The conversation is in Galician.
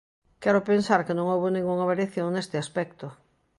Quero pensar que non houbo ningunha variación neste aspecto.